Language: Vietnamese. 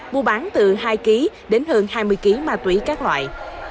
mua bán từ hai kg đến hơn hai mươi kg ma túy các loại